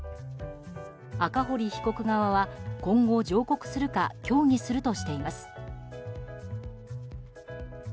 赤堀被告側は今後上告するか協議するとしています。